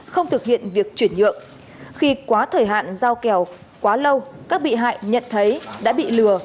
không thực hiện việc chuyển nhượng khi quá thời hạn giao kèo quá lâu các bị hại nhận thấy đã bị lừa